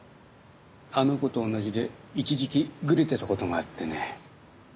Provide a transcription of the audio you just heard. あの子とおんなじで一時期グレてたことがあってね。